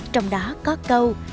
trong đó có câu